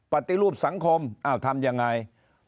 ปฏิรูปสังคมอ้าวทำยังไง